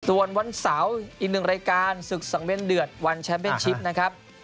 ส่วนวันเสาร์อีกหนึ่งรายการศึกสังเวียนเดือดวันแชมป์เป็นชิปนะครับ